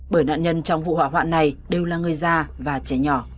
bởi nạn nhân trong vụ hỏa hoạn này đều là người già và trẻ nhỏ